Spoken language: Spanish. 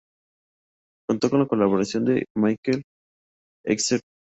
Contó con la colaboración de Mikel Erentxun, ex-vocalista de Duncan Dhu, para los coros.